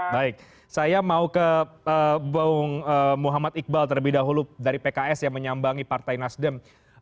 baik saya mau ke bung muhammad iqbal terlebih dahulu dari pks yang menyambangi partai nasdem